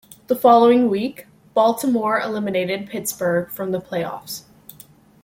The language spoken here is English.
The following week, Baltimore eliminated Pittsburgh from the playoffs.